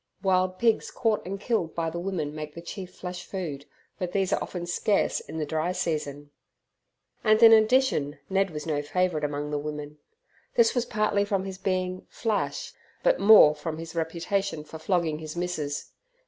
Wild pigs caught and killed by the women make the chief flesh food, but these are often scarce in the dry season. And in addition Ned was no favourite among the women. This was partly from his being "flash", but more from his reputation for flogging his missus.